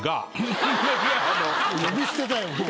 呼び捨てだよもう。